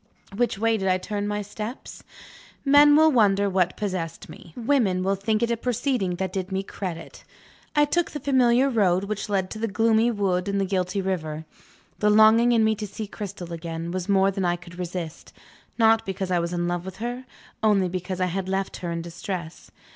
Which way did I turn my steps? Men will wonder what possessed me women will think it a proceeding that did me credit I took the familiar road which led to the gloomy wood and the guilty river. The longing in me to see Cristel again, was more than I could resist. Not because I was in love with her; only because I had left her in distress.